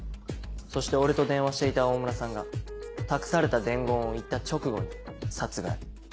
そして俺と電話していた大村さんが託された伝言を言った直後に殺害。